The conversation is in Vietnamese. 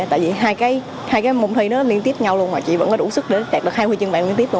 tại vì hai cái môn thi nó liên tiếp nhau luôn mà chị vẫn có đủ sức để đạt được hai huy chương vàng liên tiếp luôn